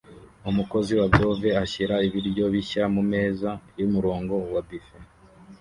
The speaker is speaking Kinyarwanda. Umukozi wa glove ashyira ibiryo bishya mumeza yumurongo wa buffet